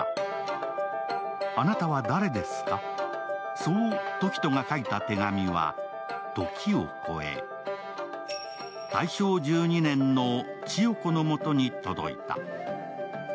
そう時翔が書いた手紙は時を超え大正１２年の千代子のもとに届いた。